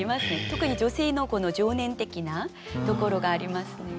特に女性のこの情念的なところがありますね。